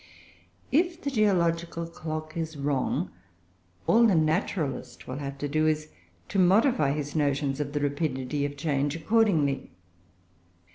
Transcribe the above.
If the geological clock is wrong, all the naturalist will have to do is to modify his notions of the rapidity of change accordingly.